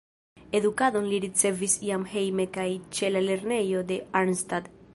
Edukadon li ricevis jam hejme kaj ĉe la lernejo de Arnstadt.